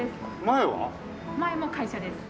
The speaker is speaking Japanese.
前も会社です。